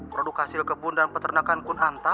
produk hasil kebun dan peternakan kunhanta